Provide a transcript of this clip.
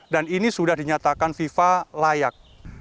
dan ini sudah dinyatakan fifa layak